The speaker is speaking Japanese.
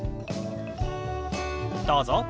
どうぞ。